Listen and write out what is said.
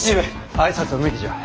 挨拶は抜きじゃ。